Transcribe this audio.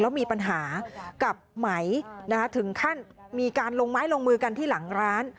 แล้วมีปัญหากับไหมถึงขั้นมีการลงไม้ลงมือกันที่หลังร้าน